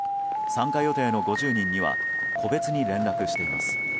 参加予定の５０人には個別に連絡しています。